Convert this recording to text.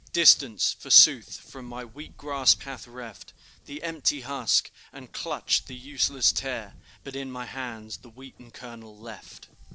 Distance, forsooth, from my weak grasp hath reft The empty husk, and clutched the useless tare, But in my hands the wheat and kernel left.